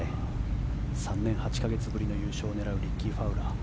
３年８か月ぶりの優勝を狙うリッキー・ファウラー。